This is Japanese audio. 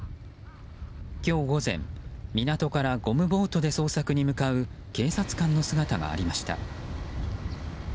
今日午前、港からゴムボートで捜索に向かう警察官の姿がありました。